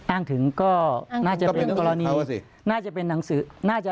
อ้างถึงก็น่าจะเป็นกรณีน่าจะเป็นหนังสือน่าจะ